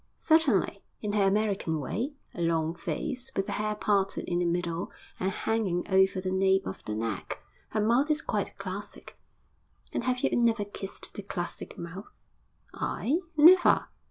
'Certainly in her American way; a long face, with the hair parted in the middle and hanging over the nape of the neck. Her mouth is quite classic.' 'And have you never kissed the classic mouth?' 'I? Never!'